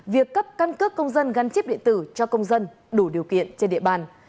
việc cấp căn cước công dân gắn chip điện tử cho công dân đủ điều kiện trên địa bàn